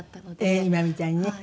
ええ今みたいにね。